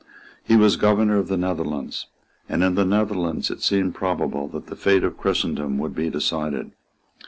He was Governor of the Netherlands; and in the Netherlands it seemed probable that the fate of Christendom would be decided.